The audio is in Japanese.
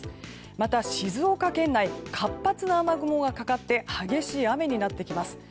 また、静岡県内活発な雨雲がかかって激しい雨になってきます。